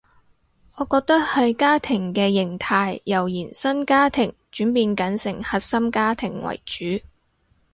我覺得係家庭嘅型態由延伸家庭轉變緊成核心家庭為主